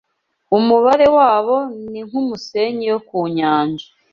umubare wabo ni nk’umusenyi wo ku nyanja